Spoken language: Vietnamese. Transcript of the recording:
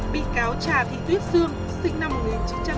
bị cáo trà thị tuyết sương sinh năm một nghìn chín trăm chín mươi hai